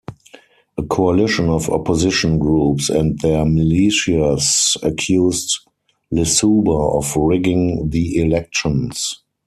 A coalition of opposition groups and their militias accused Lissouba of rigging the elections.